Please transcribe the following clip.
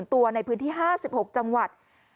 ตัวในพื้นที่๕๖จังหวัด